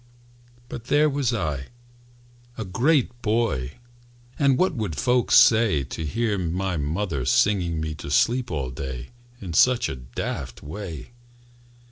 But there was I, a great boy, And what would folks say To hear my mother singing me To sleep all day, In such a daft way?